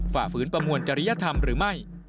ฝ่าฝืนประมวลจริยธรรมหรือไม่